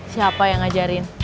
siapa yang ngajarin